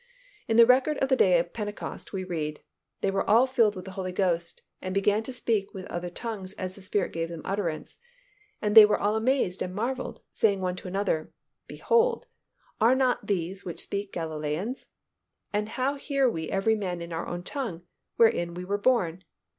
_ In the record of the day of Pentecost, we read, "They were all filled with the Holy Ghost and began to speak with other tongues as the Spirit gave them utterance. And they were all amazed and marvelled, saying one to another, Behold, are not these which speak Galileans? And how hear we every man in our own tongue, wherein we were born?